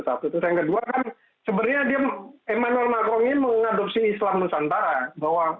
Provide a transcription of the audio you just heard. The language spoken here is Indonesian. yang kedua kan sebenarnya emmanuel macron ini mengadopsi islam nusantara